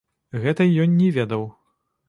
Гэтай ён не ведаў.